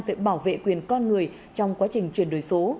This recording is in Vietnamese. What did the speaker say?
về bảo vệ quyền con người trong quá trình chuyển đổi số